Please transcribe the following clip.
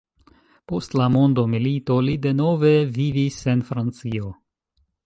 Post la mondomilito li denove vivis en Francio.